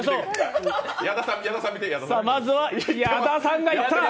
まずは矢田さんがいった。